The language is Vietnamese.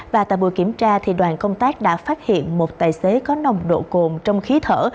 và tại buổi kiểm tra đoàn công tác đã phát hiện một tài xế có nồng độ cồn trong khí thở